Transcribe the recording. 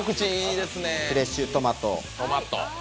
フレッシュトマト。